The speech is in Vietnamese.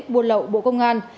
buôn lậu bộ công an